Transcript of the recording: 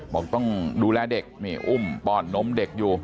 บอกต้องดูแลเด็กนี่อุ้มป้อนนมเด็กอยู่